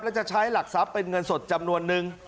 และจะใช้หลักทรัพย์เป็นเงินสดจำนวนนึง